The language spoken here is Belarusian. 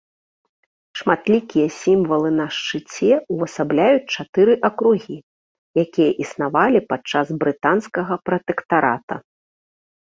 Шматлікія сімвалы на шчыце ўвасабляюць чатыры акругі, якія існавалі падчас брытанскага пратэктарата.